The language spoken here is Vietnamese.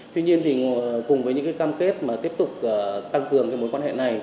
tuy nhiên cùng với những cam kết tiếp tục tăng cường mối quan hệ này